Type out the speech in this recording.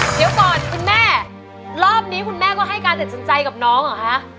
เดี๋ยวก่อนคุณแม่รอบนี้คุณแม่ก็ให้การตัดสินใจกับน้องเหรอคะ